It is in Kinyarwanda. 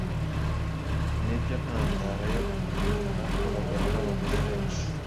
ni byo ntandaro yo kurimbuka kw’abagabo n’abagore benshi.